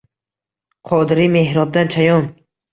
Qodiriy, Mehrobdan chayon